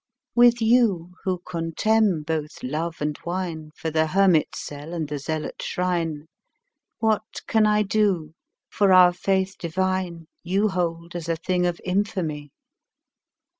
With you, who contemn both love and wine2 for the hermit's cell and the zealot's shrine, What can I do, for our Faith divine you hold as a thing of infamy?